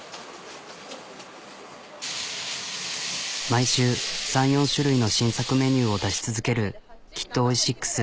毎週３４種類の新作メニューを出し続けるＫｉｔＯｉｓｉｘ。